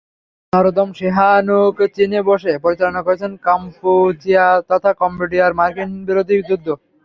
Norodom Sihanouk চীনে বসে পরিচালনা করেছেন কাম্পুচিয়া তথা কম্বোডিয়ায় মার্কিনবিরোধী যুদ্ধ।